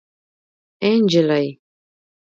اي نجلۍ